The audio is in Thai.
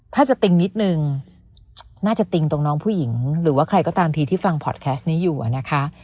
ถ้าจะติ๊งนิดนึงน่าจะติ้งตรงน้องผู้หญิงหรือว่าใครก็ตามทีที่ฟังพอดแคสต์นี้อยู่นะคะ